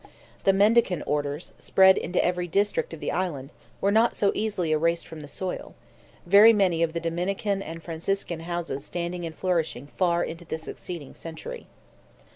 The mendicant orders, spread into every district of the island, were not so easily erased from the soil; very many of the Dominican and Franciscan houses standing and flourishing far into the succeeding century.